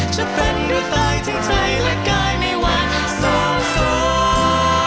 จะเป็นหรือตายทั้งใจและกายในวันสอสอ